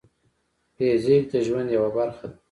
فزیک د ژوند یوه برخه ده.